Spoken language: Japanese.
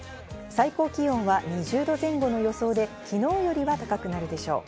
最高気温は２０度前後の予想で昨日よりは高くなるでしょう。